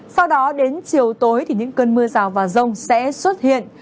sau đó đến chiều tối thì những cơn mưa rào và rông sẽ xuất hiện